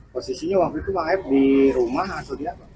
posisinya waktu itu maaf di rumah atau di apa